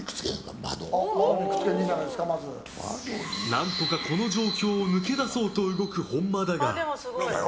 何とか、この状況を抜け出そうと動く本間だが。